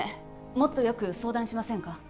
もっとよく相談しませんか？